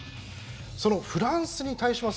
そのフランスに対します